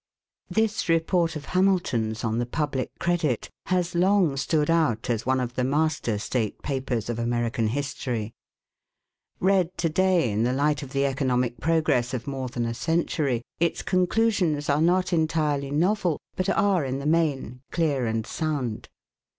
This report of Hamilton's on the public credit has long stood out as one of the master state papers of American history. Read to day in the light of the economic progress of more than a century, its conclusions are not entirely novel, but are in the main clear and sound.